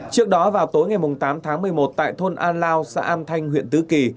trước đó vào tối ngày tám tháng một mươi một tại thôn an lao xã an thanh huyện tứ kỳ